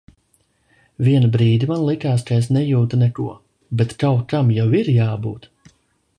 Vienu brīdi man likās, ka es nejūtu neko... bet kaut kam jau ir jābūt!